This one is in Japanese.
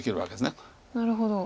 なるほど。